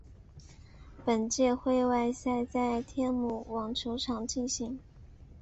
本届会外赛在天母网球场进行。